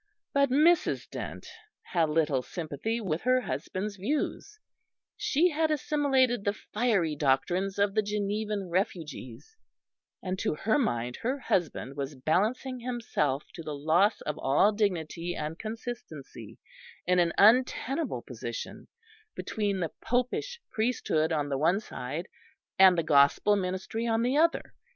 But Mrs. Dent had little sympathy with her husband's views; she had assimilated the fiery doctrines of the Genevan refugees, and to her mind her husband was balancing himself to the loss of all dignity and consistency in an untenable position between the Popish priesthood on the one side and the Gospel ministry on the other.